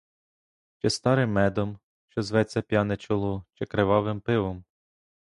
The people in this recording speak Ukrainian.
Чи старим медом, що зветься п'яне чоло, чи кривавим пивом?